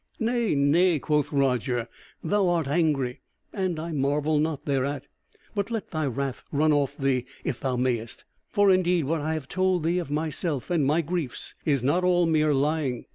"Nay nay," quoth Roger, "thou art angry, and I marvel not thereat; but let thy wrath run off thee if thou mayest; for indeed what I have told thee of myself and my griefs is not all mere lying.